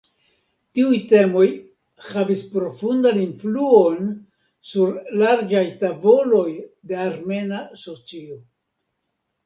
Tiuj temoj havis profundan influon sur larĝaj tavoloj de armena socio.